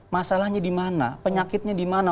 masalahnya di mana penyakitnya di mana